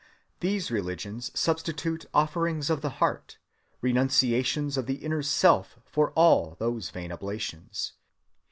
These religions substitute offerings of the heart, renunciations of the inner self, for all those vain oblations.